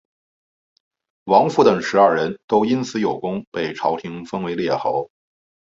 王甫等十二人都因此有功被朝廷封为列侯。